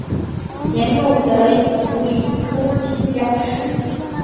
年度得主以粗体标示。